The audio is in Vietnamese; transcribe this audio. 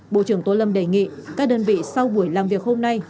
bộ trưởng tô lâm đề nghị các đơn vị sau buổi làm việc hôm nay